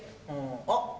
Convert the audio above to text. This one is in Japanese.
あっ！